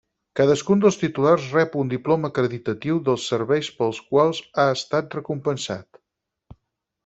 Cadascun dels titulars rep un diploma acreditatiu dels serveis pels quals ha estat recompensat.